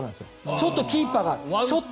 ちょっとキーパーがちょっと。